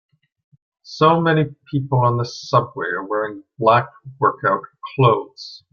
So many people on the subway are wearing black workout clothes.